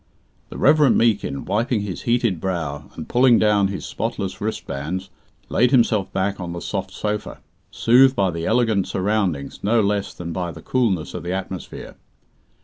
The Reverend Meekin, wiping his heated brow, and pulling down his spotless wristbands, laid himself back on the soft sofa, soothed by the elegant surroundings no less than by the coolness of the atmosphere.